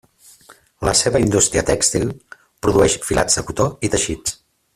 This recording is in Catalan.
La seva indústria tèxtil produeix filats de cotó i teixits.